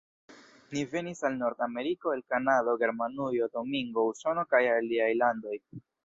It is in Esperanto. Ni venis al Nord-Ameriko el Kanado, Germanujo, Domingo, Usono, kaj aliaj landoj.